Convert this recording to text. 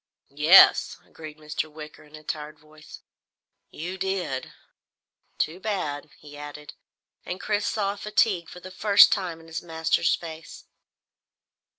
"Yes," agreed Mr. Wicker in a tired voice, "You did. Too bad," he added, and Chris saw fatigue for the first time in his master's face.